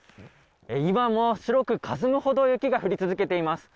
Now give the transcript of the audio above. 今も白くかすむほど雪が降り続けています。